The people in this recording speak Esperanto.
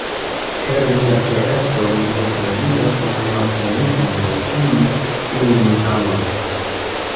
Per mia ĉeesto mi okazigas la malfeliĉon de ĉiuj, kiujn mi amas.